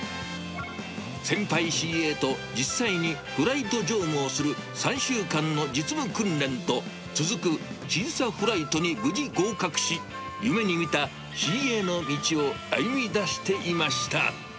先輩ＣＡと実際にフライト乗務をする３週間の実務訓練と、続く審査フライトに無事合格し、夢に見たＣＡの道を歩み出していました。